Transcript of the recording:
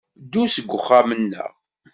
Ddu seg uxxam-nneɣ.